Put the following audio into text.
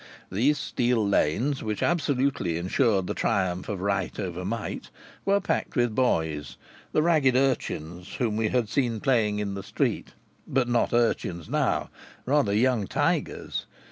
These steel lanes, which absolutely ensured the triumph of right over might, were packed with boys the ragged urchins whom we had seen playing in the street. But not urchins now; rather young tigers!